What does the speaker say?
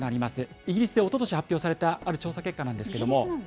イギリスでおととし発表された、ある調査結果なんですけれども。